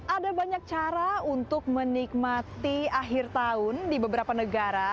ada banyak cara untuk menikmati akhir tahun di beberapa negara